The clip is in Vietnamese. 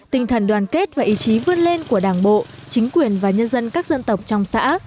tinh thần đoàn kết và ý chí vươn lên của đảng bộ chính quyền và nhân dân các dân tộc trong xã